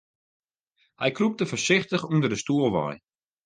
Hy krûpte foarsichtich ûnder de stoel wei.